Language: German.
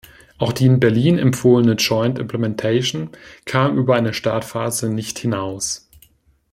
Auch die in Berlin empfohlene joint implementation kam über eine Startphase nicht hinaus.